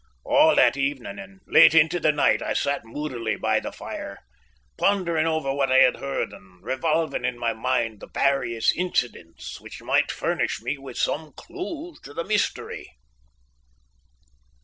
All that evening, and late into the night, I sat moodily by the fire, pondering over what I had heard, and revolving in my mind the various incidents which might furnish me with some clue to the mystery.